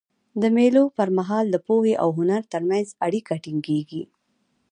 د مېلو پر مهال د پوهي او هنر ترمنځ اړیکه ټینګيږي.